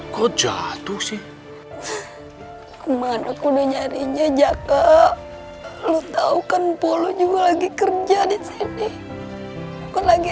kok jatuh sih kemana kudanya rinja jaka lu tahu kan polo juga lagi kerja disini lagi